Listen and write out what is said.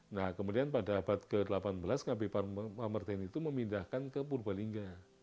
nah kemudian pada abad ke delapan belas ngabeyi pamerdain itu memindahkan ke purbalingga